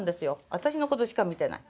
私のことしか見てない。